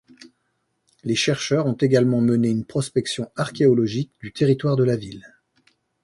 Les chercheurs ont également mené une prospection archéologique du territoire de la ville.